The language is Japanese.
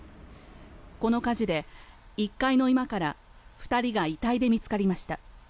この火事で１階の居間から２人が遺体で見つかりました。